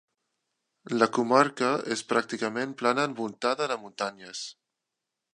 La comarca és pràcticament plana envoltada de muntanyes.